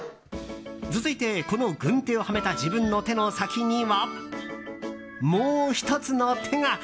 続いて、この軍手をはめた自分の手の先にはもう１つの手が。